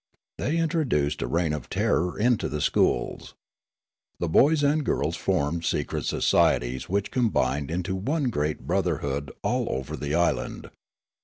They introduced a reign of terror into the schools. The boys and girls formed secret societies which combined into one great brotherhood all over the island.